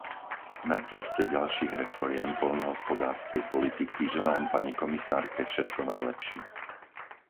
Na ceste ďalších reforiem poľnohospodárskej politiky želám pani komisárke všetko najlepšie.